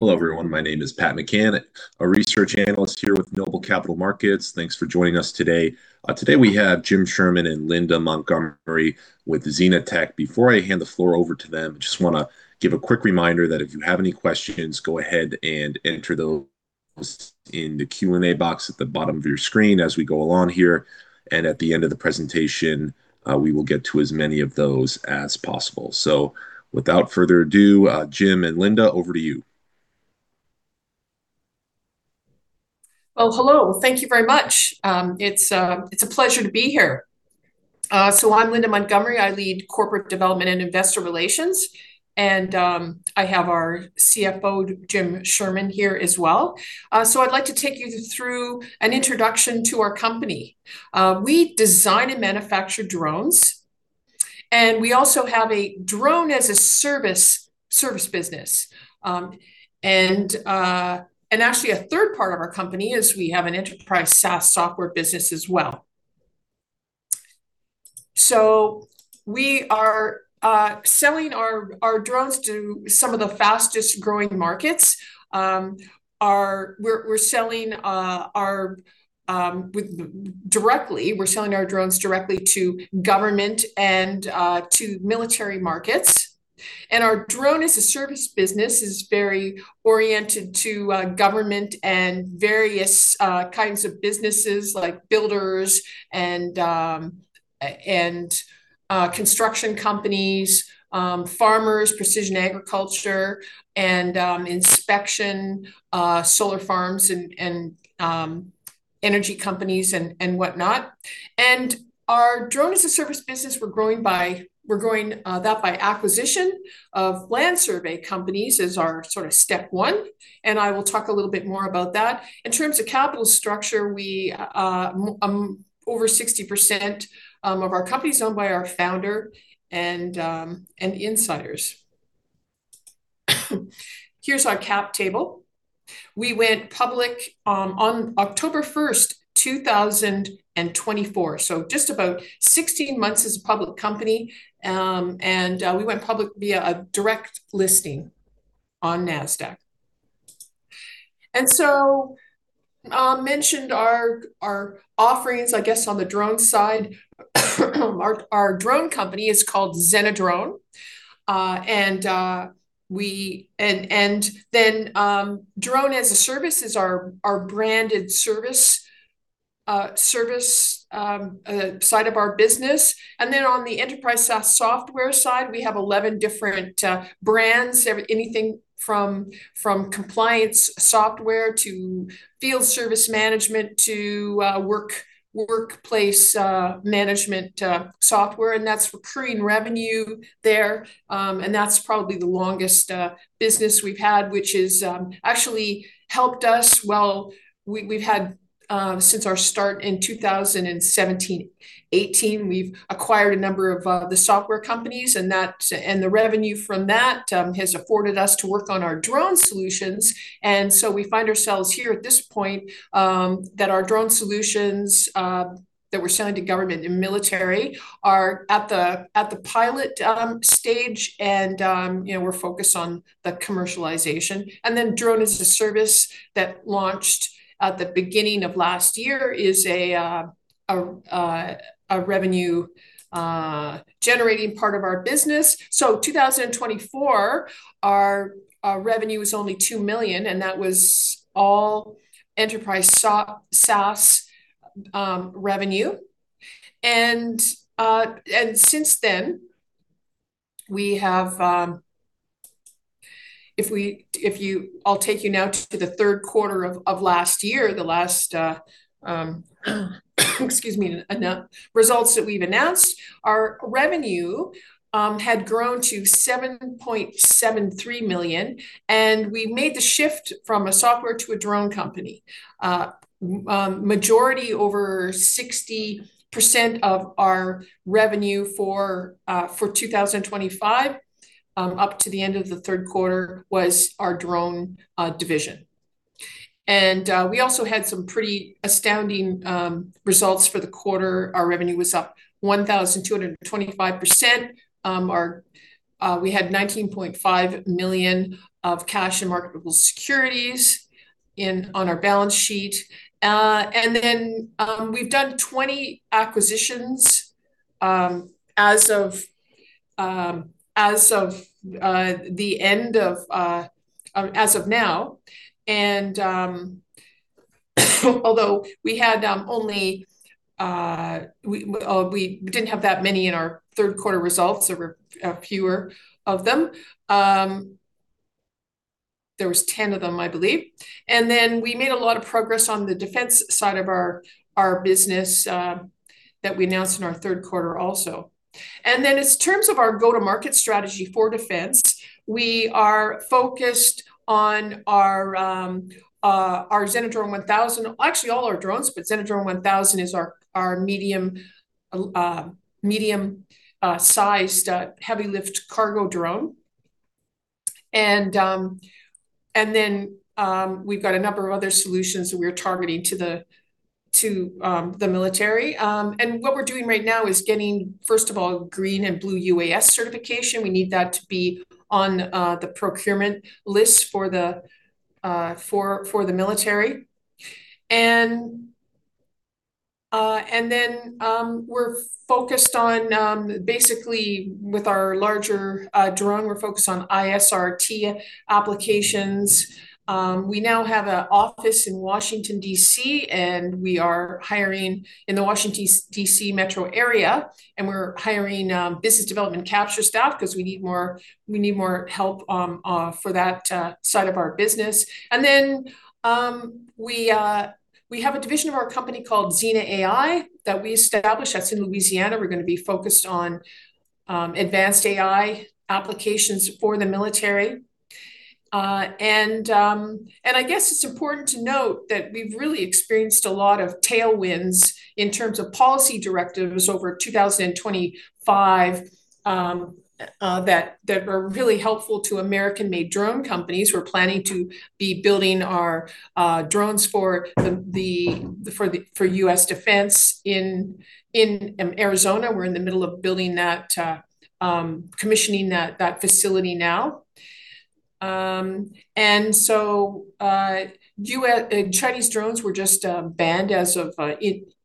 Hello, everyone. My name is Pat McCann, a Research Analyst here with Noble Capital Markets. Thanks for joining us today. Today, we have Jim Sherman and Linda Montgomery with ZenaTech. Before I hand the floor over to them, I just wanna give a quick reminder that if you have any questions, go ahead and enter those in the Q&A box at the bottom of your screen as we go along here. At the end of the presentation, we will get to as many of those as possible. So without further ado, Jim and Linda, over to you. Well, hello, thank you very much. It's a pleasure to be here. So I'm Linda Montgomery. I lead corporate development and investor relations, and I have our CFO, Jim Sherman, here as well. So I'd like to take you through an introduction to our company. We design and manufacture drones, and we also have a Drone-as-a-Service service business. And actually, a third part of our company is we have an enterprise SaaS software business as well. So we are selling our drones to some of the fastest-growing markets. We're selling our drones directly to government and to military markets. Our Drone-as-a-Service business is very oriented to government and various kinds of businesses, like builders and construction companies, farmers, precision agriculture, and inspection, solar farms and energy companies and whatnot. Our Drone-as-a-Service business, we're growing that by acquisition of land survey companies as our sort of step one, and I will talk a little bit more about that. In terms of capital structure, we over 60% of our company is owned by our founder and insiders. Here's our cap table. We went public on October 1st, 2024, so just about 16 months as a public company. And we went public via a direct listing on Nasdaq. And so, I mentioned our offerings, I guess, on the drone side. Our drone company is called ZenaDrone. Drone-as-a-Service is our branded service side of our business. And then on the enterprise SaaS software side, we have 11 different brands. Everything from compliance software to field service management to workplace management software, and that's recurring revenue there. And that's probably the longest business we've had, which has actually helped us. Well, we've had since our start in 2017-2018, we've acquired a number of the software companies, and the revenue from that has afforded us to work on our drone solutions. And so we find ourselves here at this point, that our drone solutions that we're selling to government and military are at the pilot stage, and, you know, we're focused on the commercialization. And then Drone-as-a-Service that launched at the beginning of last year is a revenue generating part of our business. So 2024, our revenue was only $2 million, and that was all enterprise SaaS revenue. And since then, we have... I'll take you now to the third quarter of last year, results that we've announced. Our revenue had grown to $7.73 million, and we made the shift from a software to a drone company. Majority over 60% of our revenue for 2025 up to the end of the third quarter was our drone division. We also had some pretty astounding results for the quarter. Our revenue was up 1,225%. We had $19.5 million of cash and marketable securities on our balance sheet. And then we've done 20 acquisitions as of now, and although we didn't have that many in our third quarter results. There were fewer of them. There was 10 of them, I believe. And then we made a lot of progress on the defense side of our business that we announced in our third quarter also. And then in terms of our go-to-market strategy for defense, we are focused on our ZenaDrone 1000. Actually, all our drones, but ZenaDrone 1000 is our medium-sized heavy-lift cargo drone. And then we've got a number of other solutions that we're targeting to the military. And what we're doing right now is getting, first of all, Green UAS and Blue UAS certification. We need that to be on the procurement list for the military. And then we're focused on basically with our larger drone, we're focused on ISRT applications. We now have an office in Washington, D.C., and we are hiring in the Washington, D.C. metro area, and we're hiring business development capture staff because we need more, we need more help for that side of our business. And then, we have a division of our company called ZenaAI that we established. That's in Louisiana. We're going to be focused on advanced AI applications for the military. And I guess it's important to note that we've really experienced a lot of tailwinds in terms of policy directives over 2025 that were really helpful to American-made drone companies who are planning to be building our drones for the U.S. defense in Arizona. We're in the middle of building that, commissioning that facility now. And so, U.S.-Chinese drones were just banned as of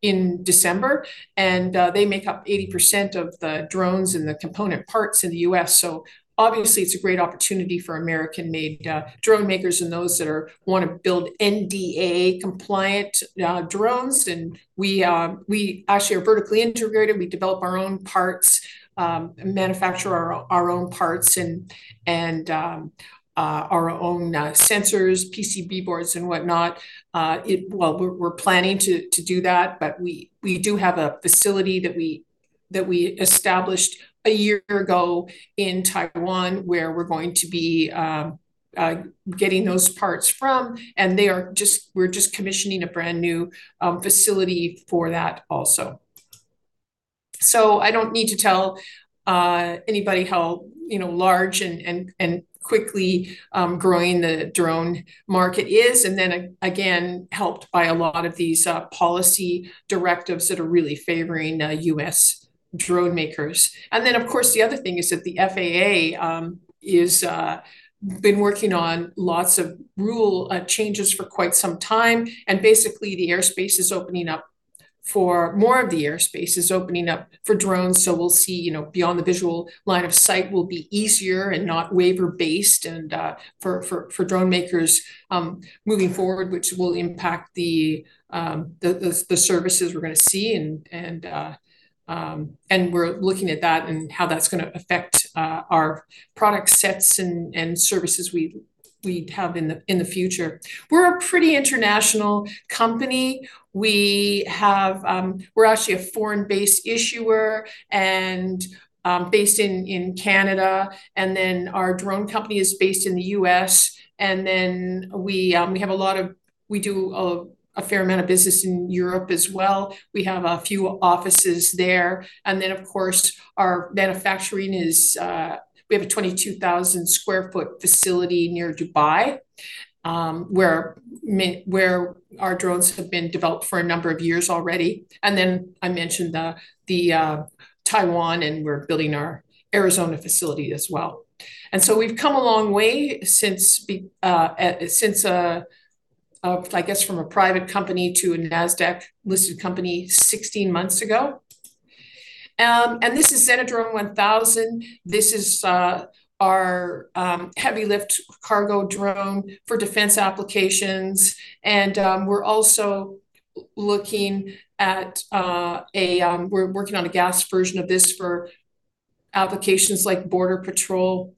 in December, and they make up 80% of the drones and the component parts in the U.S. So obviously, it's a great opportunity for American-made drone makers and those that wanna build NDAA-compliant drones. And we actually are vertically integrated. We develop our own parts, manufacture our own parts, and our own sensors, PCB boards, and whatnot. It... Well, we're planning to do that, but we do have a facility that we established a year ago in Taiwan, where we're going to be getting those parts from, and they are just, we're just commissioning a brand-new facility for that also. So I don't need to tell anybody how, you know, large and quickly growing the drone market is, and then again, helped by a lot of these policy directives that are really favoring U.S. drone makers. And then, of course, the other thing is that the FAA is been working on lots of rule changes for quite some time, and basically, the airspace is opening up, more of the airspace is opening up for drones. So we'll see, you know, beyond the visual line of sight will be easier and not waiver-based, and for drone makers moving forward, which will impact the services we're gonna see. And we're looking at that and how that's gonna affect our product sets and services we have in the future. We're a pretty international company. We have... We're actually a foreign-based issuer, and based in Canada, and then our drone company is based in the U.S. And then we do a fair amount of business in Europe as well. We have a few offices there. And then, of course, our manufacturing is we have a 22,000 sq ft facility near Dubai, where our drones have been developed for a number of years already. And then I mentioned Taiwan, and we're building our Arizona facility as well. And so we've come a long way since I guess from a private company to a Nasdaq-listed company 16 months ago. And this is ZenaDrone 1000. This is our heavy-lift cargo drone for defense applications, and we're also looking at. We're working on a gas version of this for applications like border patrol.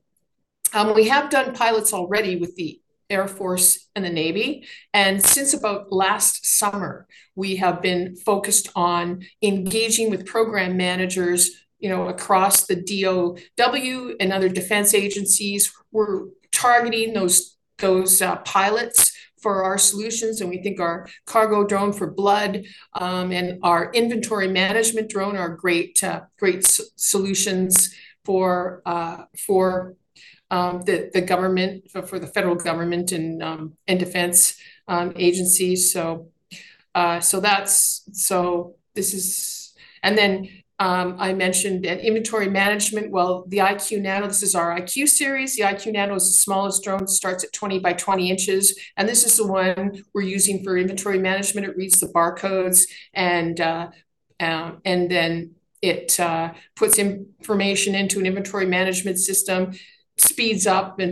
We have done pilots already with the Air Force and the Navy, and since about last summer, we have been focused on engaging with program managers, you know, across the DoD and other defense agencies. We're targeting those pilots for our solutions, and we think our cargo drone for blood and our inventory management drone are great solutions for the government, for the federal government and defense agencies. And then I mentioned an inventory management. Well, the IQ Nano, this is our IQ series. The IQ Nano is the smallest drone, starts at 20 by 20 inches, and this is the one we're using for inventory management. It reads the barcodes, and then it puts information into an inventory management system, speeds up, and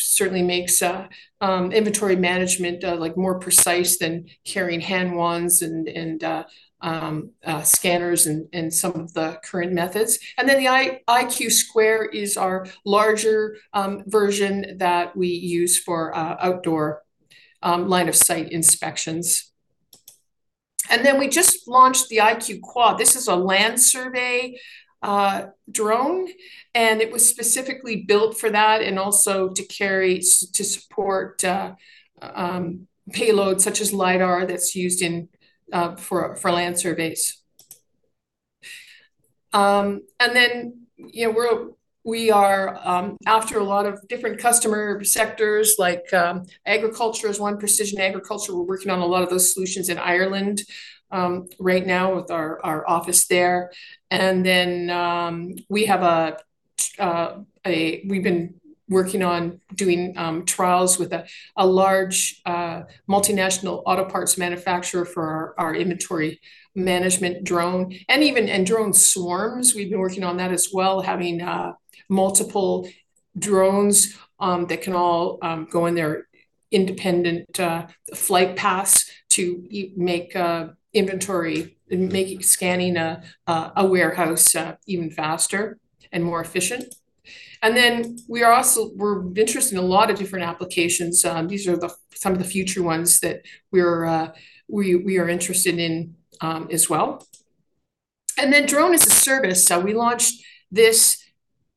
certainly makes inventory management like more precise than carrying hand wands and scanners and some of the current methods. And then the IQ Square is our larger version that we use for outdoor line-of-sight inspections. And then we just launched the IQ Quad. This is a land survey drone, and it was specifically built for that, and also to support payloads such as LiDAR that's used for land surveys. And then, you know, we are after a lot of different customer sectors, like agriculture is one. Precision agriculture, we're working on a lot of those solutions in Ireland right now with our office there. And then we've been working on doing trials with a large multinational auto parts manufacturer for our inventory management drone, and drone swarms. We've been working on that as well, having multiple drones that can all go in their independent flight paths to make inventory scanning a warehouse even faster and more efficient. And then we are also—we're interested in a lot of different applications. These are some of the future ones that we're interested in as well. And then Drone-as-a-Service. So we launched this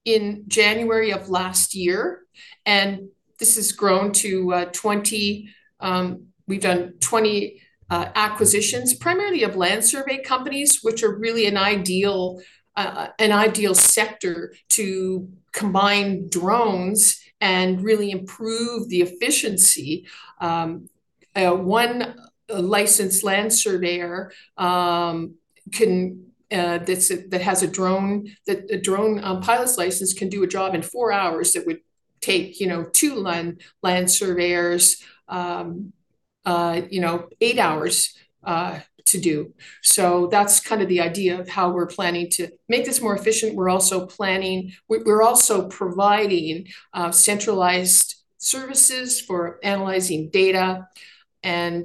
in January of last year, and this has grown to 20. We've done 20 acquisitions, primarily of land survey companies, which are really an ideal sector to combine drones and really improve the efficiency. One licensed land surveyor that has a drone pilot's license can do a job in four hours that would take, you know, two land surveyors, you know, eight hours to do. So that's kind of the idea of how we're planning to make this more efficient. We're also providing centralized services for analyzing data. And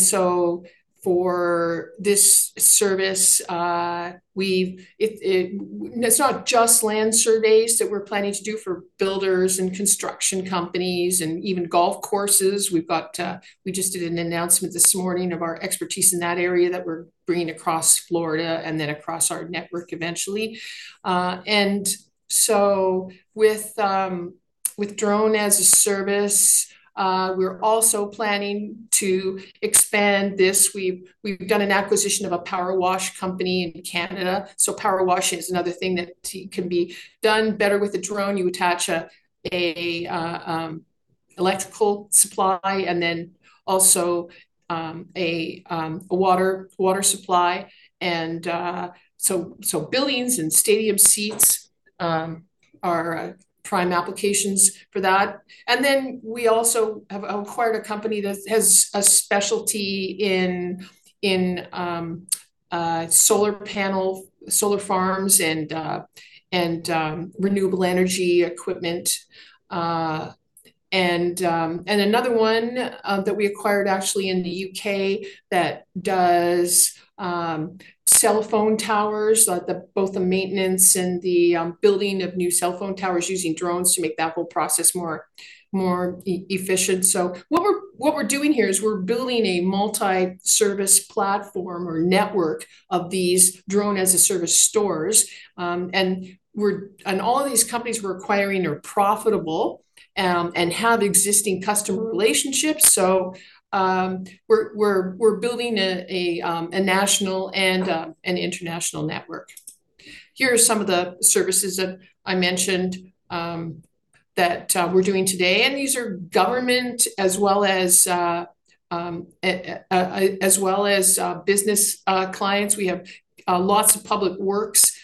so for this service, it's not just land surveys that we're planning to do for builders and construction companies and even golf courses. We've got... We just did an announcement this morning of our expertise in that area that we're bringing across Florida and then across our network eventually. And so with Drone-as-a-Service, we're also planning to expand this. We've done an acquisition of a power wash company in Canada. So power washing is another thing that can be done better with a drone. You attach an electrical supply, and then also a water supply, and so buildings and stadium seats are prime applications for that. And then we also have acquired a company that has a specialty in solar panel solar farms, and renewable energy equipment. And another one that we acquired actually in the U.K. that does cellphone towers, both the maintenance and the building of new cellphone towers, using drones to make that whole process more efficient. So what we're doing here is we're building a multi-service platform or network of these Drone-as-a-Service stores. And all of these companies we're acquiring are profitable, and have existing customer relationships. So, we're building a national and an international network. Here are some of the services that I mentioned that we're doing today, and these are government as well as business clients. We have lots of public works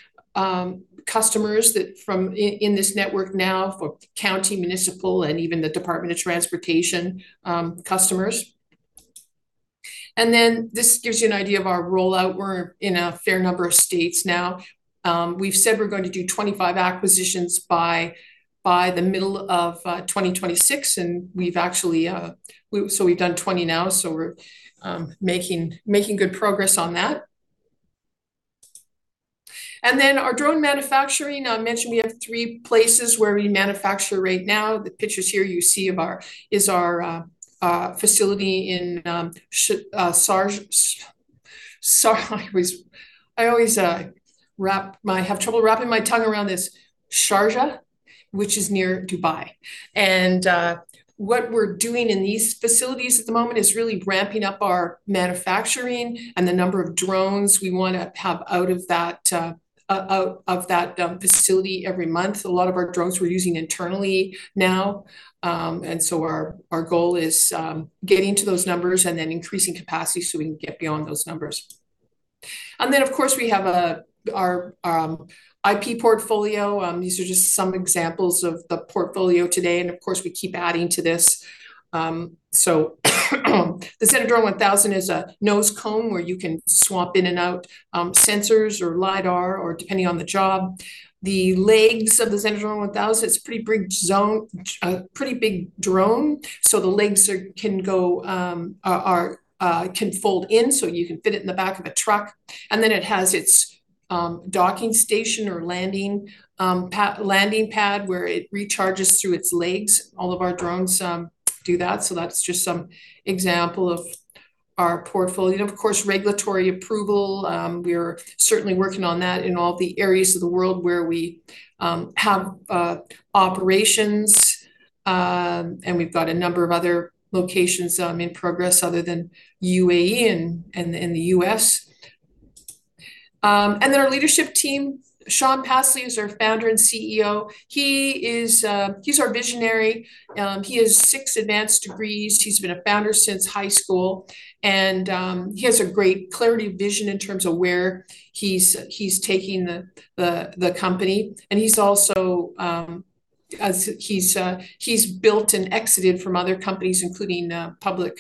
customers that are in this network now for county, municipal, and even the Department of Transportation customers. And then this gives you an idea of our rollout. We're in a fair number of states now. We've said we're going to do 25 acquisitions by the middle of 2026, and we've actually so we've done 20 now, so we're making good progress on that. Then our drone manufacturing, I mentioned we have three places where we manufacture right now. The pictures here you see of our facility in Sharjah, which is near Dubai. Sorry, I always have trouble wrapping my tongue around this. What we're doing in these facilities at the moment is really ramping up our manufacturing and the number of drones we wanna have out of that facility every month. A lot of our drones we're using internally now. Our goal is getting to those numbers and then increasing capacity so we can get beyond those numbers. Of course, we have our IP portfolio. These are just some examples of the portfolio today, and of course, we keep adding to this. So the ZenaDrone 1000 is a nose cone, where you can swap in and out sensors or LiDAR or depending on the job. The legs of the ZenaDrone 1000, it's a pretty big drone, so the legs can fold in, so you can fit it in the back of a truck. And then it has its docking station or landing pad, where it recharges through its legs. All of our drones do that, so that's just some example of our portfolio. And of course, regulatory approval, we're certainly working on that in all the areas of the world where we have operations. And we've got a number of other locations in progress other than UAE and the U.S. And then our leadership team, Shaun Passley is our founder and CEO. He is, he's our visionary. He has six advanced degrees. He's been a founder since high school, and he has a great clarity of vision in terms of where he's taking the company. And he's also, as he's built and exited from other companies, including public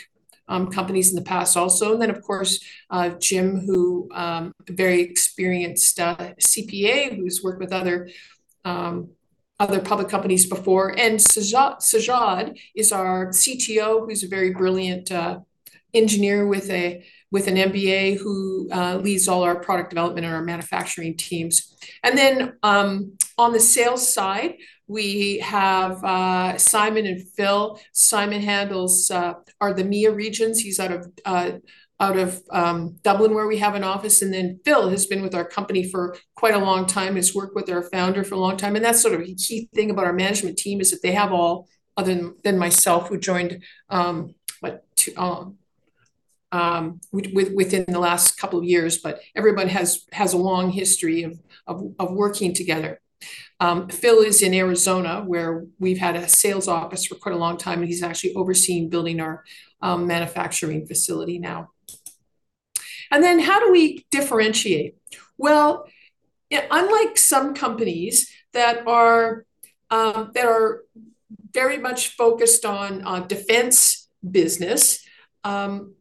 companies in the past also. And then, of course, Jim, who a very experienced CPA, who's worked with other public companies before. And Sajjad is our CTO, who's a very brilliant engineer with an MBA, who leads all our product development and our manufacturing teams. On the sales side, we have Simon and Phil. Simon handles our EMEA regions. He's out of Dublin, where we have an office. Phil has been with our company for quite a long time. He's worked with our founder for a long time, and that's sort of a key thing about our management team, is that they have all, other than myself, who joined within the last couple of years. But everyone has a long history of working together. Phil is in Arizona, where we've had a sales office for quite a long time, and he's actually overseeing building our manufacturing facility now. How do we differentiate? Well, yeah, unlike some companies that are very much focused on defense business, and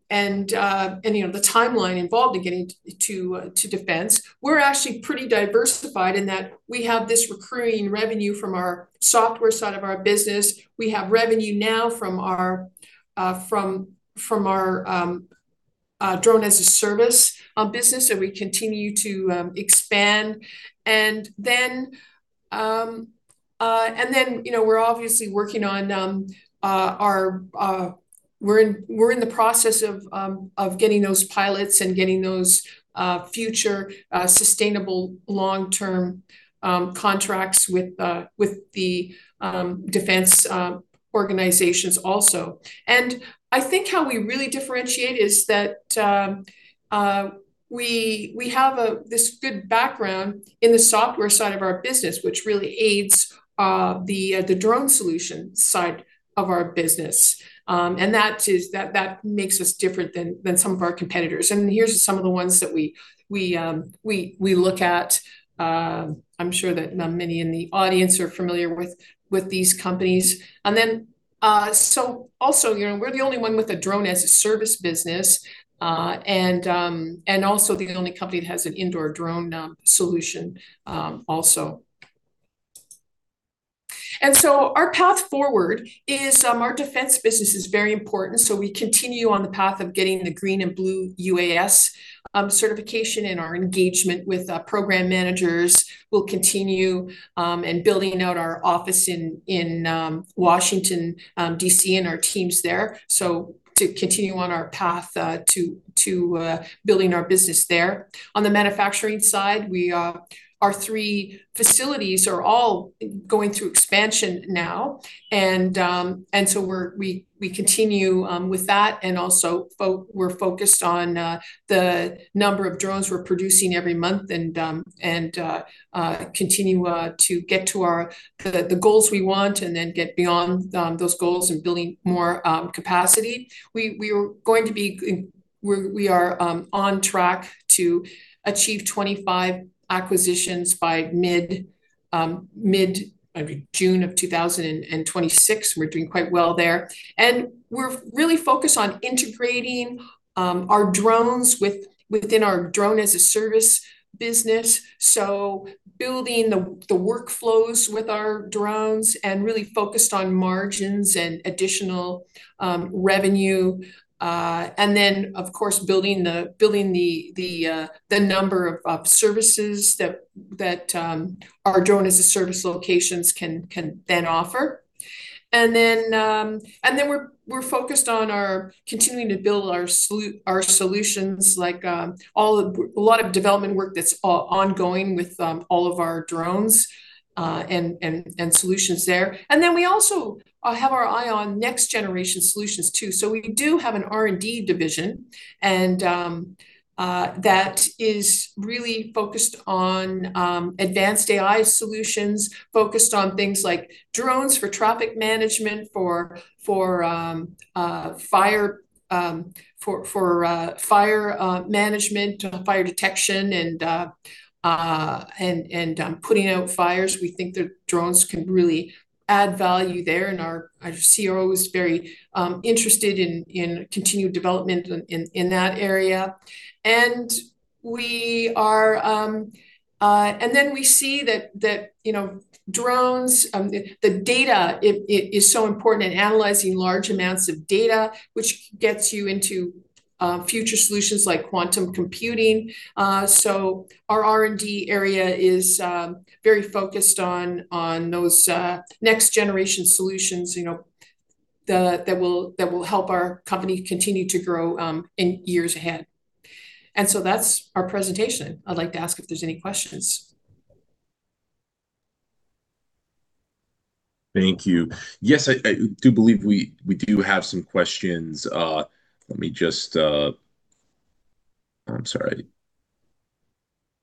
you know, the timeline involved in getting to defense, we're actually pretty diversified in that we have this recurring revenue from our software side of our business. We have revenue now from our Drone-as-a-Service business, and we continue to expand. And then, you know, we're obviously working on our... we're in the process of getting those pilots and getting those future sustainable long-term contracts with the defense organizations also. And I think how we really differentiate is that we have this good background in the software side of our business, which really aids the drone solution side of our business. And that makes us different than some of our competitors. And here's some of the ones that we look at. I'm sure that many in the audience are familiar with these companies. And then also, you know, we're the only one with a Drone-as-a-Service business, and also the only company that has an indoor drone solution, also. Our path forward is our defense business is very important, so we continue on the path of getting the Green and Blue UAS certification, and our engagement with program managers will continue, and building out our office in Washington, D.C., and our teams there. So to continue on our path to building our business there. On the manufacturing side, our three facilities are all going through expansion now, and so we continue with that. And also, we're focused on the number of drones we're producing every month, and continue to get to the goals we want, and then get beyond those goals and building more capacity. We're on track to achieve 25 acquisitions by mid-June, I believe, of 2026. We're doing quite well there, and we're really focused on integrating our drones within our Drone-as-a-Service business, so building the workflows with our drones, and really focused on margins and additional revenue. And then, of course, building the number of services that our Drone-as-a-Service locations can then offer. And then we're focused on continuing to build our solutions, like a lot of development work that's ongoing with all of our drones and solutions there. And then we also have our eye on next-generation solutions, too. So we do have an R&D division, and that is really focused on advanced AI solutions, focused on things like drones for traffic management, for fire management, fire detection, and putting out fires. We think that drones can really add value there, and our CRO is very interested in continued development in that area. And then we see that, you know, drones, the data is so important in analyzing large amounts of data, which gets you into future solutions like quantum computing. So our R&D area is very focused on those next-generation solutions, you know, that will help our company continue to grow in years ahead. And so that's our presentation. I'd like to ask if there's any questions? Thank you. Yes, I do believe we do have some questions. Let me just... I'm sorry.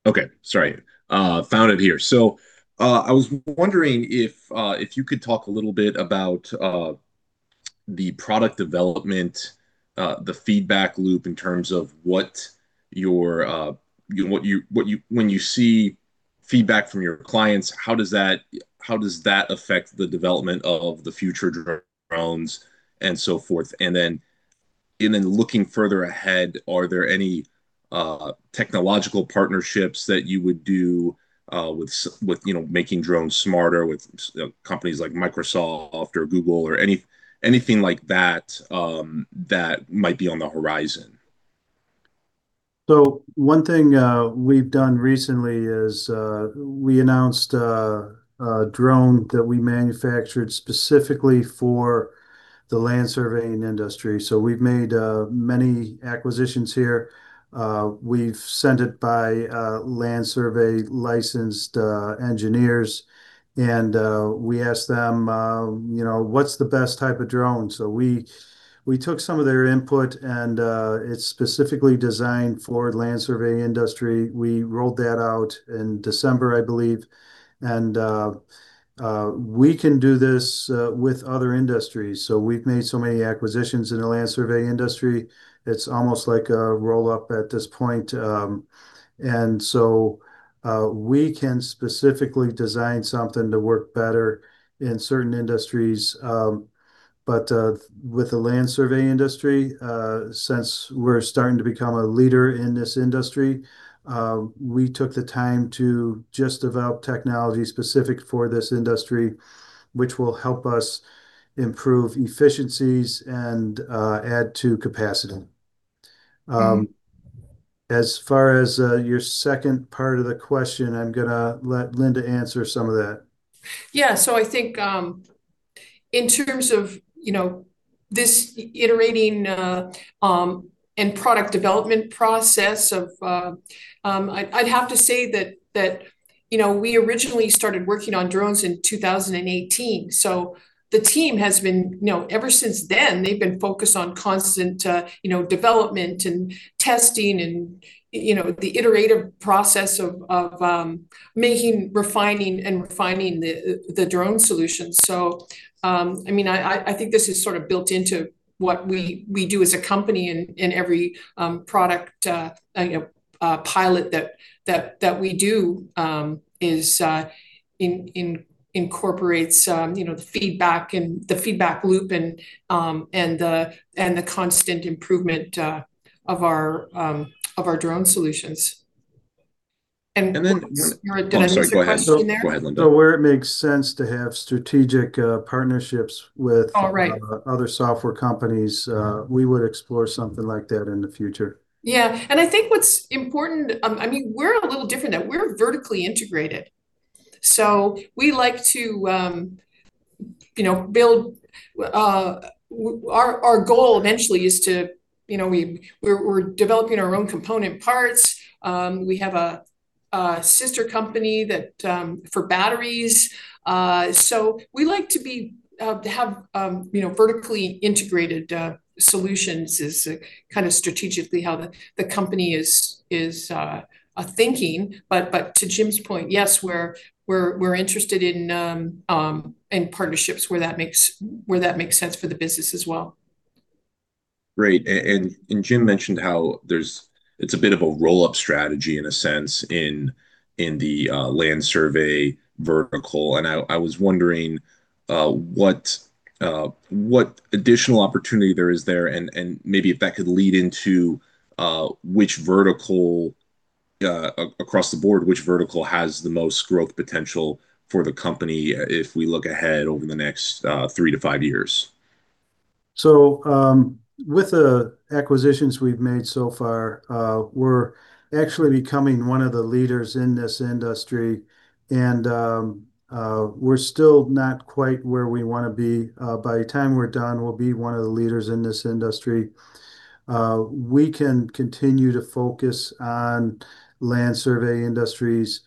Okay, sorry. Found it here. So, I was wondering if you could talk a little bit about the product development, the feedback loop in terms of what your, you know, when you see feedback from your clients, how does that affect the development of the future drones and so forth? And then looking further ahead, are there any technological partnerships that you would do with, you know, making drones smarter with, you know, companies like Microsoft or Google or anything like that that might be on the horizon? So one thing we've done recently is we announced a drone that we manufactured specifically for the land surveying industry. So we've made many acquisitions here. We've sent it by licensed land surveying engineers, and we asked them, you know, "What's the best type of drone?" So we took some of their input, and it's specifically designed for the land surveying industry. We rolled that out in December, I believe. And we can do this with other industries. So we've made so many acquisitions in the land surveying industry, it's almost like a roll-up at this point. And so we can specifically design something to work better in certain industries. With the land survey industry, since we're starting to become a leader in this industry, we took the time to just develop technology specific for this industry, which will help us improve efficiencies and add to capacity. Mm. As far as your second part of the question, I'm gonna let Linda answer some of that. Yeah. So I think, in terms of, you know, this iterating and product development process of... I'd have to say that, you know, we originally started working on drones in 2018, so the team has been, you know, ever since then, they've been focused on constant, you know, development and testing and, you know, the iterative process of making, refining and refining the drone solution. So, I mean, I think this is sort of built into what we do as a company in every product, you know, pilot that we do is incorporates, you know, the feedback and the feedback loop and, and the constant improvement of our drone solutions. And- And then- Did I answer the question there? Oh, I'm sorry. Go ahead. Go ahead, Linda. So where it makes sense to have strategic partnerships with- All right... other software companies, we would explore something like that in the future. Yeah, and I think what's important, I mean, we're a little different, that we're vertically integrated. So we like to you know build. Our goal eventually is to you know we're developing our own component parts. We have a sister company that for batteries. So we like to be to have you know vertically integrated solutions is kind of strategically how the company is thinking. But to Jim's point, yes, we're interested in partnerships where that makes sense for the business as well. Great. And Jim mentioned how there's, it's a bit of a roll-up strategy in a sense, in the land survey vertical, and I was wondering what additional opportunity there is there, and maybe if that could lead into which vertical across the board has the most growth potential for the company if we look ahead over the next three to five years? So, with the acquisitions we've made so far, we're actually becoming one of the leaders in this industry, and we're still not quite where we wanna be. By the time we're done, we'll be one of the leaders in this industry. We can continue to focus on land survey industries.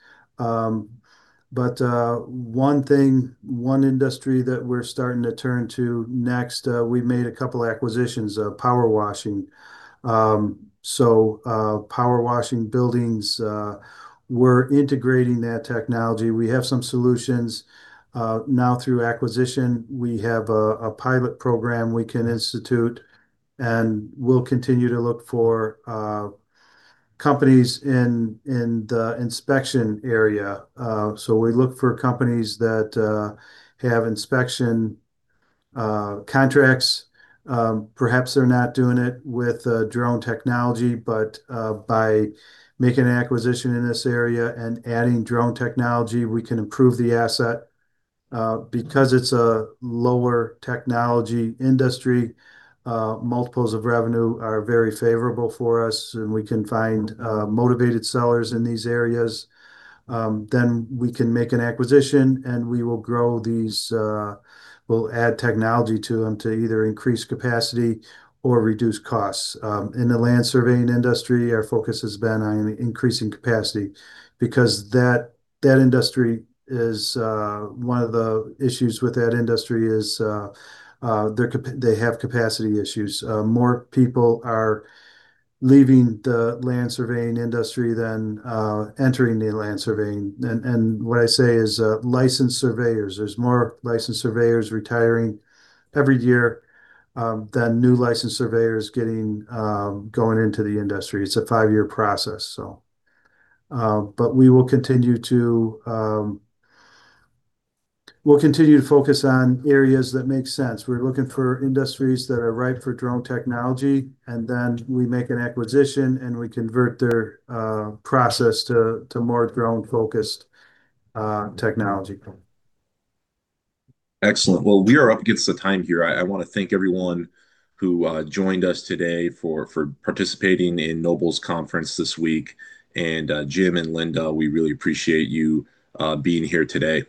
But one thing, one industry that we're starting to turn to next, we made a couple acquisitions of power washing. So, power washing buildings, we're integrating that technology. We have some solutions. Now through acquisition, we have a pilot program we can institute, and we'll continue to look for companies in the inspection area. So we look for companies that have inspection contracts. Perhaps they're not doing it with drone technology, but by making an acquisition in this area and adding drone technology, we can improve the asset. Because it's a lower technology industry, multiples of revenue are very favorable for us, and we can find motivated sellers in these areas. Then we can make an acquisition, and we will grow these. We'll add technology to them to either increase capacity or reduce costs. In the land surveying industry, our focus has been on increasing capacity because that industry is one of the issues with that industry is they have capacity issues. More people are leaving the land surveying industry than entering the land surveying. What I say is licensed surveyors. There's more licensed surveyors retiring every year than new licensed surveyors getting going into the industry. It's a five-year process. But we'll continue to focus on areas that make sense. We're looking for industries that are right for drone technology, and then we make an acquisition, and we convert their process to more drone-focused technology. Excellent. Well, we are up against the time here. I want to thank everyone who joined us today for participating in Noble's conference this week. And, Jim and Linda, we really appreciate you being here today.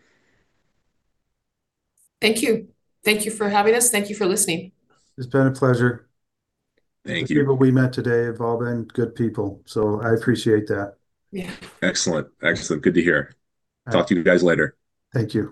Thank you. Thank you for having us. Thank you for listening. It's been a pleasure. Thank you. The people we met today have all been good people, so I appreciate that. Yeah. Excellent. Excellent. Good to hear. Talk to you guys later. Thank you.